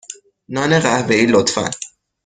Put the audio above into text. نان قهوه ای، لطفا.